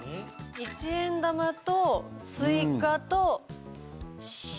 一円玉とスイカとＣＤ。